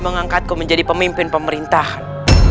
mengangkatku menjadi pemimpin pemerintahan